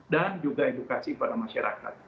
dan juga edukasi kepada masyarakat